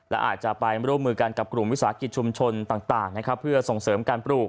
และอาจจะไปร่วมมือกันกับกลุ่มวิสาหกิจชุมชนต่างนะครับเพื่อส่งเสริมการปลูก